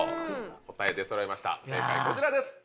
答え出そろいました正解こちらです。